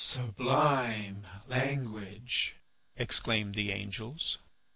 "Sublime language," exclaimed the angels.